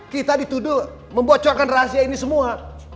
kita dituduh membocorkan rahasia ini semua